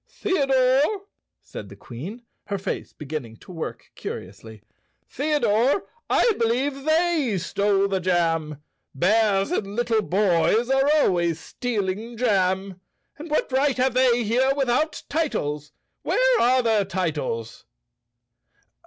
"Theodore," said the Queen, her face beginning to work curiously, "Theodore, I believe they stole the jam. Bears and little boys are always stealing jam. And what right have they here without titles? Where are their titles?"